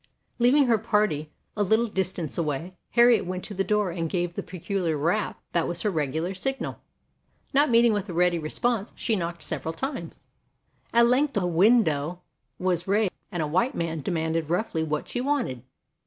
Leaving her party a little distance away Harriet went to the door and gave the pe culiar rap that was her regular signal. Not meeting with a ready response, she knocked several times. At length a window was raised and a white man demanded roughly what she wanted.